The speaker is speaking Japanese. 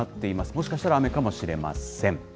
もしかしたら雨かもしれません。